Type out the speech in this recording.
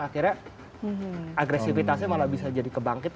akhirnya agresivitasnya malah bisa jadi kebangkit